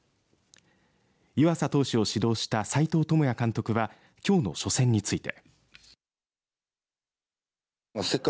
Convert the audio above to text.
湯浅投手を指導した斎藤智也監督はきょうの初戦について。